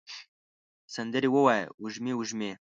سندرې ووایې وږمې، وږمې